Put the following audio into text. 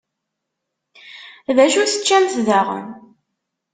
D acu teččamt daɣen?